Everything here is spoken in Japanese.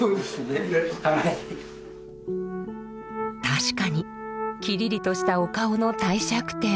確かにきりりとしたお顔の帝釈天。